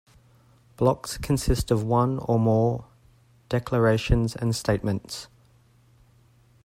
Blocks consist of one or more declarations and statements.